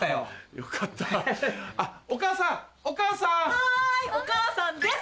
はいお母さんです！